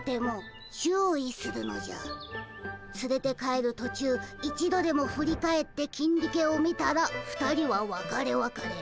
つれて帰る途中一度でも振り返ってキンディケを見たら２人はわかれわかれ。